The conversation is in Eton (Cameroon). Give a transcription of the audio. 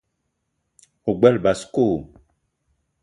O gbele basko?